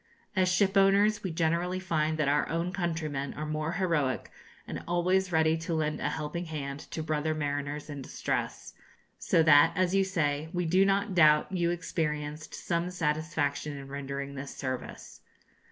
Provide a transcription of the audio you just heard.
As shipowners, we generally find that our own countrymen are more heroic, and always ready to lend a helping hand to brother mariners in distress, so that, as you say, we do not doubt you experienced some satisfaction in rendering this service.